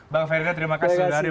bang ferdinand terima kasih sudah hadir